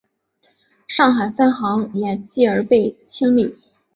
上海分行也继而被被清理。